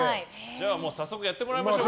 じゃあ、早速やってもらいましょう。